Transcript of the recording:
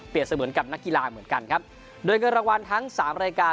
เสมือนกับนักกีฬาเหมือนกันครับโดยเงินรางวัลทั้งสามรายการ